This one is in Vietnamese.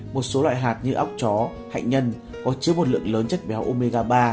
một số loại hạt như ốc chó hạnh nhân có chứa một lượng lớn chất béo omega ba